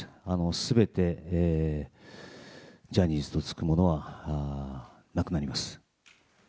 すべてジャニーズと付くものはなくなります。